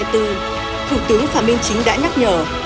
thủ tướng phạm minh chính đã nhắc nhở